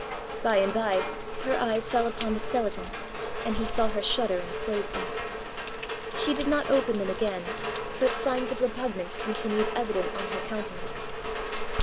By and by her eyes fell upon the skeleton, and he saw her shudder and close them. She did not open them again, but signs of repugnance continued evident on her countenance.